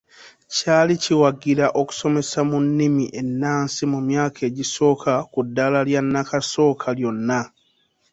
Kyali kiwagira okusomesa mu nnimi enaansi mu myaka egisooka ku ddaala lya nakasooka lyonna.